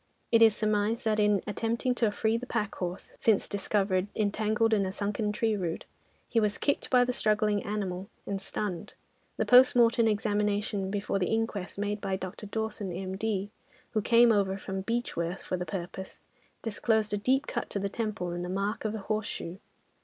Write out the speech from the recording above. It is surmised that in attempting to free the pack horse, since discovered entangled in a sunken tree root, he was kicked by the struggling animal and stunned; the post mortem examination before the inquest, made by Dr. Dawson, M.D., who came over from Beechworth for the purpose, disclosed a deep cut on the temple and the mark of a horseshoe.